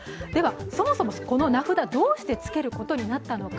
そもそもこの名札どうしてつけることになったのか。